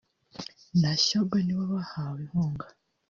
na Shyogwe ni bo bahawe inkunga